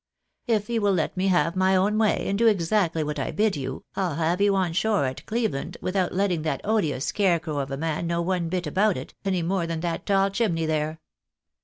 If you will let me have my own way, and do exactly what I bid you, I'll have you on shore at Cleveland, without letting that odious scarecrow of a man know one bit about it, any more than that tall chimney there."